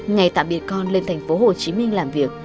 ngày tạm biệt con lên thành phố hồ chí minh làm việc